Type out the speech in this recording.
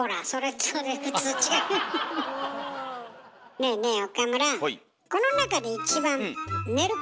ねえねえ岡村。